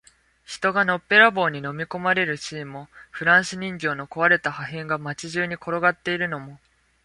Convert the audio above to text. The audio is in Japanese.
人がのっぺらぼうに飲み込まれるシーンも、フランス人形の壊れた破片が街中に転がっているのも、